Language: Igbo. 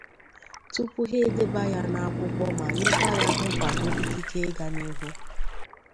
tupuu ha edebànye ya n'akwụkwọ ma nyekwa ya nkwàdo ikike ịga n'ihu